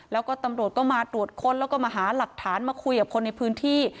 แล้วก็ตำรวจก็มาตรวจค้นแล้วก็มาหาหลักฐานมาคุยกับคนในพื้นที่